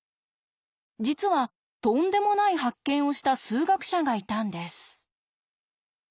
実はとんでもない発見をした数学者がいたんです。